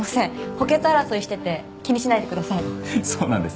補欠争いしてて気にしないでくださいそうなんですね